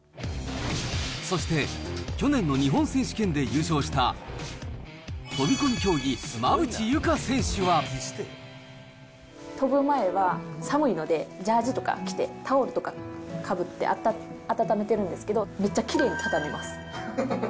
そして去年の日本選手権で優勝した、飛ぶ前は寒いので、ジャージとか着て、タオルとかかぶって温めているんですけど、めっちゃきれいに畳みます。